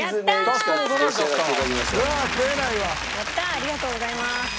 ありがとうございます。